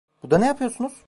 Burada ne yapıyorsunuz?